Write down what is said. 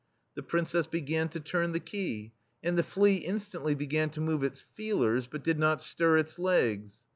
The Princess began to turn the key, and the flea instantly began to move its feelers, but did not stir its legs.